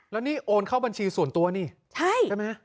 แล้วนี่โอนเข้าบัญชีส่วนตัวนี่ใช่ไหม